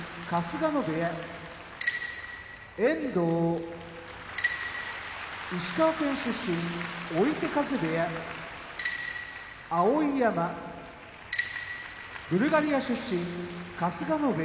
遠藤石川県出身追手風部屋碧山ブルガリア出身春日野部屋